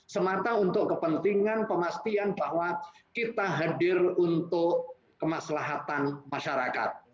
semata untuk kepentingan pemastian bahwa kita hadir untuk kemaslahatan masyarakat